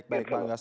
baik bang yus